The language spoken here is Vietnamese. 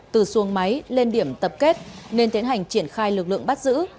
từ xuồng máy lên điểm tập kết nên tiến hành triển khai lực lượng bắt giữ